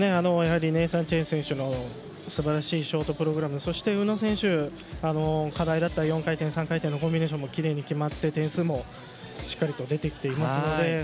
ネイサン・チェン選手のすばらしいショートプログラムそして、宇野選手課題だった４回転、３回転のコンビネーションもきれいに決まって点数もしっかり出てきていますので。